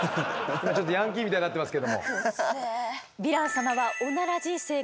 ちょっとヤンキーみたいになってますけども。